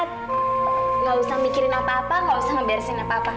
tidak usah mikirin apa apa nggak usah ngeberesin apa apa